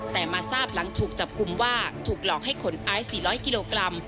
แต่มาทราบหลังถูกจับกลุ่มว่าถูกหลอกให้ขนไอซ์๔๐๐กิโลกรัม